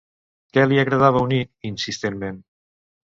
Què li agradava unir insistentment?